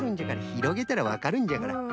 ひろげたらわかるんじゃから。